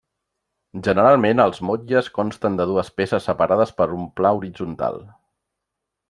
Generalment els motlles consten de dues peces separades per un pla horitzontal.